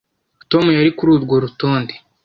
Tom yari kuri urwo rutonde